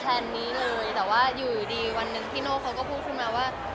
นี้เลยแต่ว่าอยู่ดีวันหนึ่งพี่โน่เขาก็พูดขึ้นมาว่า